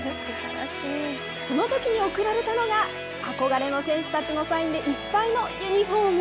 そのときに贈られたのが、憧れの選手たちのサインでいっぱいのユニホーム。